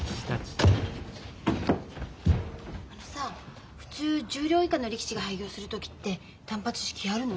あのさ普通十両以下の力士が廃業する時って断髪式やるの？